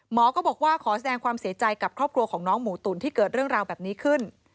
ก็บอกว่าขอแสดงความเสียใจกับครอบครัวของน้องหมูตุ๋นที่เกิดเรื่องราวแบบนี้ขึ้น